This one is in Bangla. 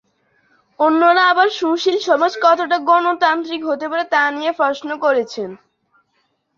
অন্যেরা আবার সুশীল সমাজ কতটা গণতান্ত্রিক হতে পারে তা নিয়ে প্রশ্ন করেছেন।